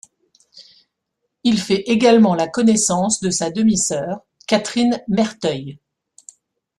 Il fait également la connaissance de sa demi-sœur, Kathryn Merteuil.